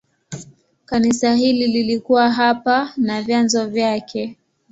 Kanisa hili lilikuwa hapa na vyanzo vyake.